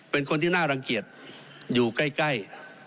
เป็นคนที่น่ารังเกียจอยู่ใกล้